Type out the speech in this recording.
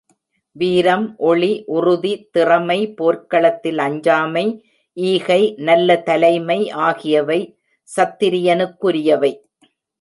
வீரம், ஒளி, உறுதி, திறமை, போர்க்களத்தில் அஞ்சாமை, ஈகை, நல்ல தலைமை ஆகியவை சத்திரியனுக்குரியவை.